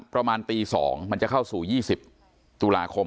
ประมาณตี๒มันจะเข้าสู่๒๐ตุลาคม